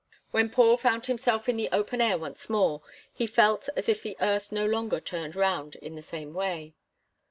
When Paul found himself in the open air once more, he felt as if the earth no longer turned round in the same way.